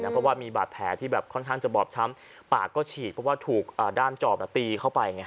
เพราะว่ามีบาดแผลที่แบบค่อนข้างจะบอบช้ำปากก็ฉีกเพราะว่าถูกด้ามจอบตีเข้าไปไง